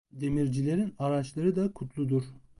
Demircilerin araçları da kutludur.